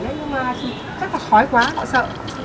nhưng mà chắc là khói quá họ sợ